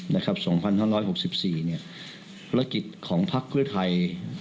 ภารกิจของภักดิ์เพื่อไทย